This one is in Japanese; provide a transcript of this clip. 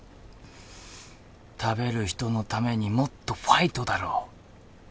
食べる人のためにもっとファイトだろう